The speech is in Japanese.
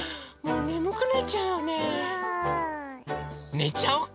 ねちゃおうか！